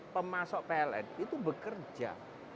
pemasok pln itu bekerja